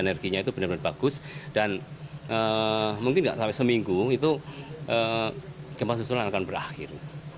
energinya itu benar benar bagus dan mungkin nggak sampai seminggu itu gempa susulan akan berakhir